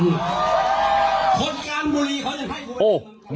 คนการบุรีเขาจะให้กูมาเล่นในจังหวังสุพรรณ